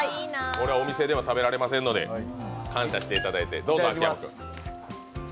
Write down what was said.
これはお店では食べられませんので感謝していただいて。